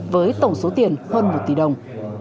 với tổng số tiền hơn một tỷ đồng